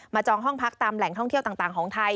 จองห้องพักตามแหล่งท่องเที่ยวต่างของไทย